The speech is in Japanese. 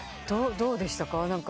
どうでしたか？